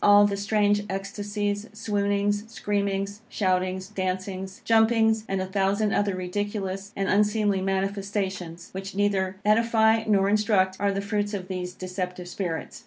All the strange extacies, swoonings, screamings, shoutings, dancings, jumpings, and a thousand other ridiculous and unseemly manifestations, which neither edify nor instruct, are the fruits of these deceptive spirits.